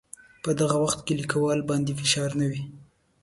په دغه وخت کې لیکوال باندې فشار نه وي.